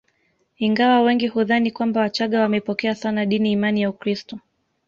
Ingawa wengi hudhani kwamba wachaga wamepokea sana dini imani ya Ukristo